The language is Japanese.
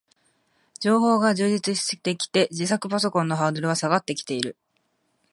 情報が充実してきて、自作パソコンのハードルは下がってきている